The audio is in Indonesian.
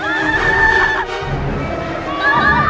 pak pak pak